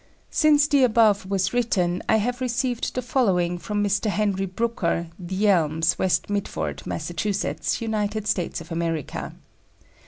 Since the above was written, I have received the following from Mr. Henry Brooker, The Elms, West Midford, Massachusetts, United States of America.